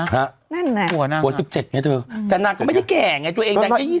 นั่นไงหัวนางหัว๑๗ไงเธอแต่นางก็ไม่ได้แก่ไงตัวเองนางก็๒๐